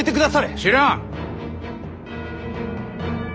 知らん。